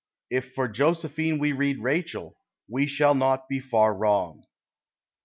If for Josephine we read Rachel, we shall not be far ^\Tong.